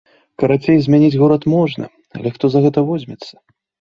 Карацей, змяніць горад можна, але хто за гэта возьмецца?